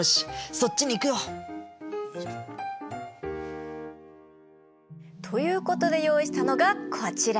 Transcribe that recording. そっちに行くよ。ということで用意したのがこちら。